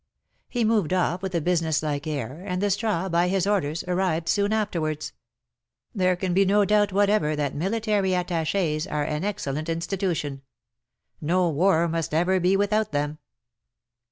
He moved off with a business like air, and the straw, by his orders, arrived soon afterwards. There can be no doubt whatever that military attaches are an excellent institution. No war must ever be without them.